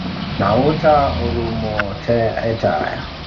Mauta orumo te etaya